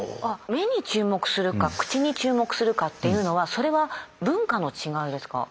目に注目するか口に注目するかっていうのはそれは文化の違いですか？